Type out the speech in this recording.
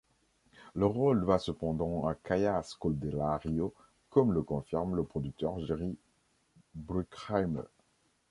Le rôle va cependant à Kaya Scodelario, comme le confirme le producteur Jerry Bruckheimer.